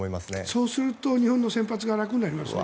そうすると日本の先発が楽になりますね。